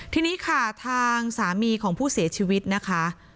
ทีนี้ค่ะทางสามีของผู้เสียชีวิตนะคะ